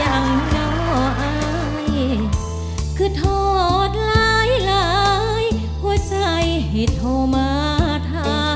อย่างน้อยคือทอดหลายหลายหัวใจให้โทรมาถาม